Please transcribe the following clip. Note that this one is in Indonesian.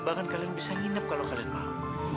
bahkan kalian bisa nginep kalau kalian mau